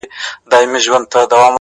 o زه چي د شپې خوب كي ږغېږمه دا ـ